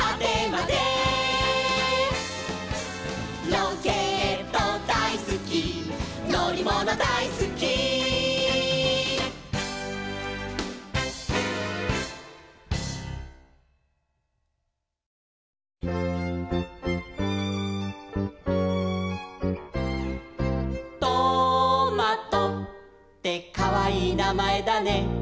「ロケットだいすきのりものだいすき」「トマトってかわいいなまえだね」